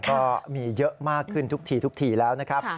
ก็มีเยอะมากขึ้นทุกทีทุกทีแล้วนะครับ